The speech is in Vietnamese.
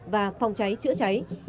và phòng cháy chữa cháy